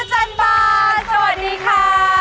สวัสดีค่ะ